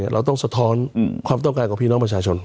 เราต้องสะท้อนความต้องการของพี่น้องประชาชน